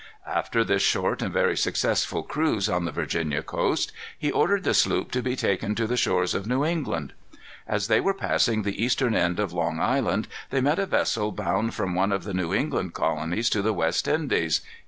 After this short and very successful cruise on the Virginia coast, he ordered the sloop to be taken to the shores of New England. As they were passing the eastern end of Long Island, they met a vessel bound from one of the New England colonies to the West Indies.